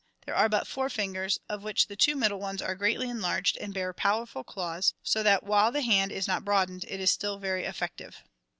57,B) there are but four fingers, of which the two middle ones are greatly enlarged and bear powerful claws, so that while the hand is not broad ened it is still very effective.